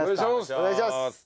お願いします。